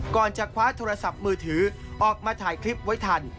ก่อนจะคว้าโทรศัพท์มือถือออกมาถ่ายคลิปไว้ทัน